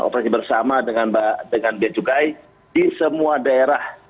kami bersama dengan beacukai di semua daerah